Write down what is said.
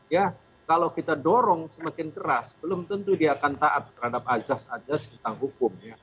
ya kalau kita dorong semakin keras belum tentu dia akan taat terhadap azas azas tentang hukum